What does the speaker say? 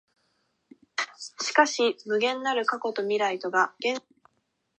早く録音させろや